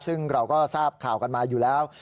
ซึ่งเราก็ทราบข่าวกันมาอยู่แล้ว